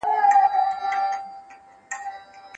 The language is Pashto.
که بې پروایي وي، بریا نه راځي.